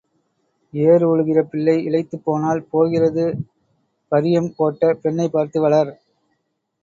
ஏர் உழுகிற பிள்ளை இளைத்துப் போனால் போகிறது பரியம் போட்ட பெண்ணைப் பார்த்து வளர்.